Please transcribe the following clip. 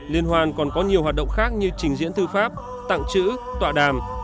liên hoan còn có nhiều hoạt động khác như trình diễn thư pháp tặng chữ tọa đàm